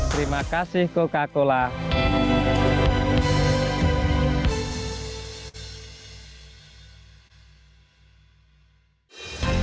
terima kasih coca cola